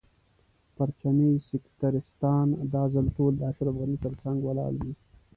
پرچمي سکتریستان دا ځل ټول د اشرف غني تر څنګ ولاړ دي.